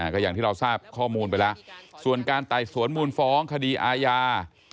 ก็อย่างที่เราทราบข้อมูลไปแล้วส่วนการไต่สวนมูลฟ้องคดีอาญา